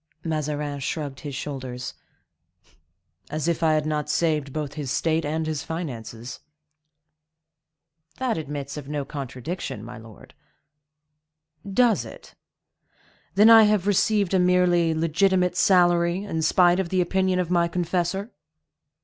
Mazarin shrugged his shoulders. "As if I had not saved both his state and his finances." "That admits of no contradiction, my lord." "Does it? Then I have received a merely legitimate salary, in spite of the opinion of my confessor?"